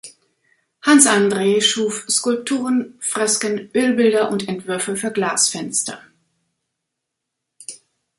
Hans Andre schuf Skulpturen, Fresken, Ölbilder und Entwürfe für Glasfenster.